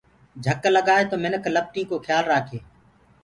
جھڪ لگآئي تو منِک لپٽينٚ ڪو کيآل رآکي۔